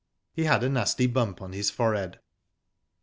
He had a nasty bump pn his forehead.